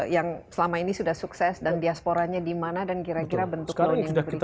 yang selama ini sudah sukses dan diasporanya dimana dan kira kira bentuk sekarang kita